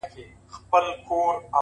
كله؛ كله يې ديدن تــه لـيونـى سم؛